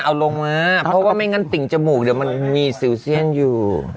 เอาลงมาเพราะว่าไม่งั้นติ่งจมูกเดี๋ยวมันมีซิลเซียนอยู่